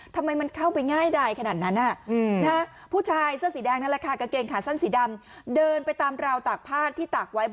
ทำไมมันเข้าไปง่ายดายขนาดนั้นอ่ะ